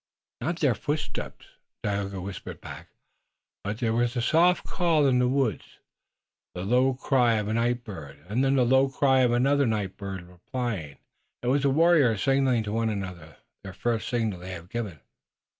"Not their footsteps," Tayoga whispered back, "but there was a soft call in the woods, the low cry of a night bird, and then the low cry of another night bird replying. It was the warriors signaling to one another, the first signal they have given."